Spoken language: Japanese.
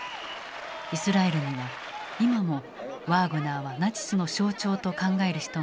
イスラエルには今もワーグナーはナチスの象徴と考える人が数多くいる。